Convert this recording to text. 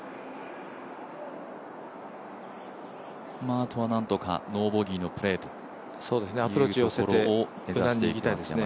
あとはなんとかノーボギーのプレートいうところを目指していきたいですね。